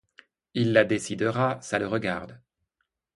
Il la décidera, ça le regarde.